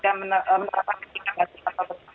dan menerapkan kinerja